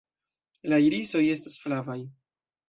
La irisoj estas flavaj.